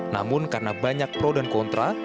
namun karena banyak pro dan kontra